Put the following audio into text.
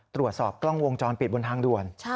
ตรวจสอบกล้องวงจรปิดบนทางด่วน